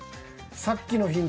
さっきのヒント